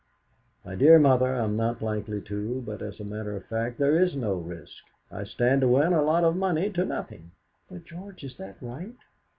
"My dear mother, I'm not likely to; but, as a matter of fact, there is no risk. I stand to win a lot of money to nothing." "But, George, is that right?"